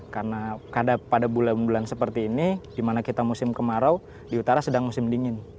karena pada bulan bulan seperti ini di mana kita musim kemarau di utara sedang musim dingin